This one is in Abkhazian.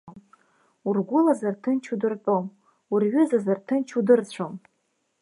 Ургәылазар, ҭынч удыртәом, урҩызазар, ҭынч удырцәом.